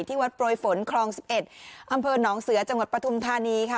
ที่วัดปลอยฝนคลองสิบเอ็ดอำเภอหนองเสือจังหวัดประทุมธานีค่ะ